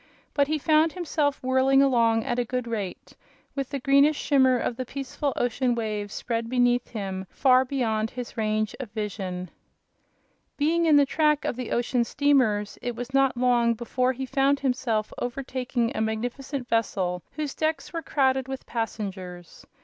But he found himself whirling along at a good rate, with the greenish shimmer of the peaceful ocean waves spread beneath him far beyond his range of vision. Being in the track of the ocean steamers it was not long before he found himself overtaking a magnificent vessel whose decks were crowded with passengers.